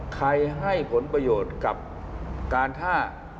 ให้ผลประโยชน์กับการท่า